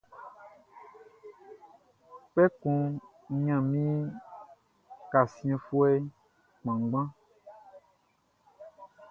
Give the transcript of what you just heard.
Kpɛkun n ɲannin kasiɛnfuɛ kpanngban.